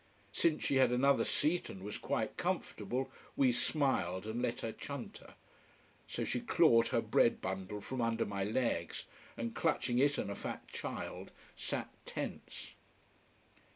Since she had another seat and was quite comfortable, we smiled and let her chunter. So she clawed her bread bundle from under my legs, and, clutching it and a fat child, sat tense.